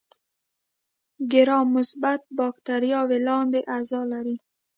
ګرام مثبت بکټریاوې لاندې اجزا لري.